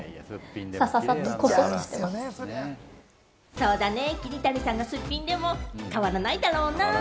そうだね、桐谷さんがすっぴんでも変わらないだろうな。